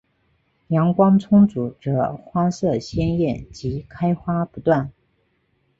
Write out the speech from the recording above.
阳光充足则花色鲜艳及开花不断。